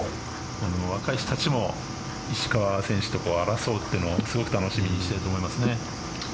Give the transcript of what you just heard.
若い人たちも石川選手とかと争うのをすごく楽しみにしてると思いますね。